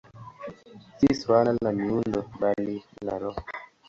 Si suala la miundo, bali la roho.